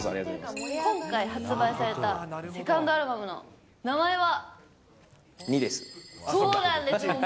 今回発売されたセカンドアルバムの名前は？